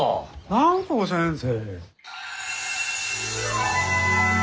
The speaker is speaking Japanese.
蘭光先生。